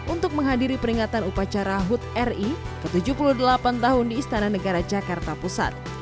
untuk menghadiri peringatan upacara hud ri ke tujuh puluh delapan tahun di istana negara jakarta pusat